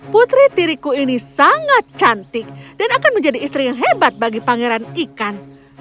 putri tiriku ini sangat cantik dan akan menjadi istri yang hebat bagi pangeran ikan